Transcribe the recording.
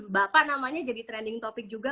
bapak namanya jadi trending topic juga